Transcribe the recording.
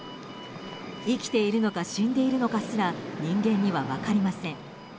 生きているのか死んでいるのかすら人間には分かりません。